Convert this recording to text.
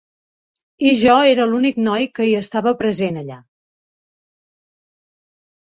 I jo era l"únic noi que hi estava present allà.